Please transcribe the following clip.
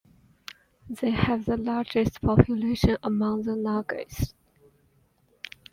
They have the largest population among the Nagas.